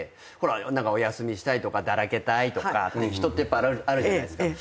お休みしたいとかだらけたいって人ってあるじゃないですか。